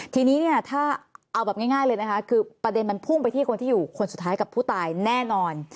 ทีนี้เนี่ยถ้าเอาแบบง่ายเลยนะคะคือประเด็นมันพุ่งไปที่คนที่อยู่คนสุดท้ายกับผู้ตายแน่นอน